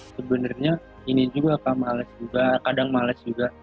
sebenarnya ini juga malas juga kadang malas juga